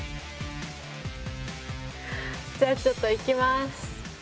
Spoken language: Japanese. じゃあちょっといきます。